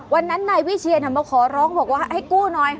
วันนั้นนายวิเชียนมาขอร้องบอกว่าให้กู้หน่อย